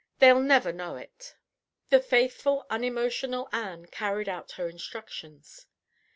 They'll never know it." The faithful, unemotional Ann carried out her instructions.